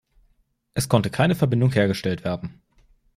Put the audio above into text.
Es konnte keine Verbindung hergestellt werden.